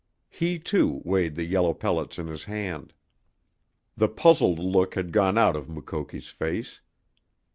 He, too, weighed the yellow pellets in his hand. The puzzled look had gone out of Mukoki's face.